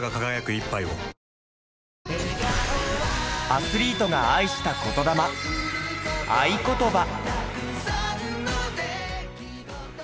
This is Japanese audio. アスリートが愛した言魂『愛ことば』。